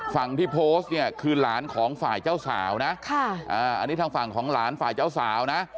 ฝั่งที่โพสต์เนี่ยคือหลานของฝ่ายเจ้าสาวนะอันนี้ทางฝั่งของหลานฝ่ายเจ้าสาวนะ